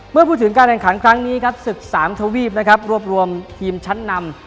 เมื่อพูดถึงการแข่งขันครั้งนี้ครับศึกสามทวีปนะครับรวบรวมทีมชั้นนำ